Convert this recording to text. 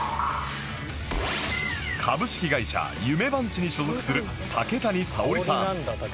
株式会社夢番地に所属する竹谷さおりさん